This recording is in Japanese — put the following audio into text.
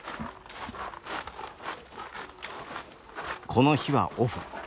この日はオフ。